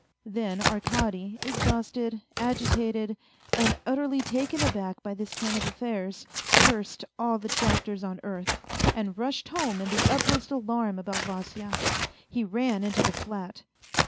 Then Arkady, exhausted, agitated, and utterly taken aback by this turn of affairs, cursed all the doctors on earth, and rushed home in the utmost alarm about Vasya. He ran into the flat.